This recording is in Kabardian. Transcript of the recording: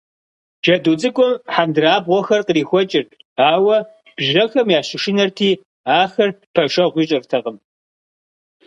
Джэду цӏыкӏум хьэндырабгъуэхэр кърихуэкӀырт, ауэ бжьэхэм ящышынэрти, ахэр пэшэгъу ищӀыртэкъым.